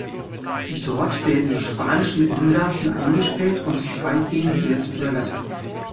Dort werden die spanischen Insassen eingesperrt und sich weitgehend selbst überlassen.